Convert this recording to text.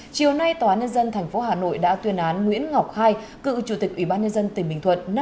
chiều nay tòa án nhân dân tp hà nội đã tuyên án nguyễn ngọc hai cựu chủ tịch ủy ban nhân dân tỉnh bình thuận